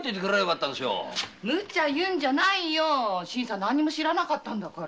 ムチャ言うんじゃないよ新さん何も知らなかったんだし。